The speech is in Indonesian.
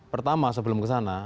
pertama sebelum kesana